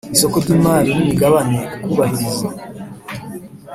isoko ry imari n imigabane kubahiriza